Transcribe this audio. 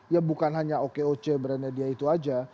ya bukan hanya oke oke brandnya dia itu aja